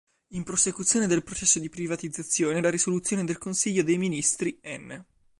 In prosecuzione del processo di privatizzazione la risoluzione del Consiglio dei ministri n.